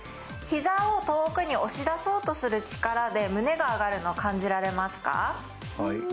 膝を遠くに押し出そうとする力で胸が上がるの感じられますか。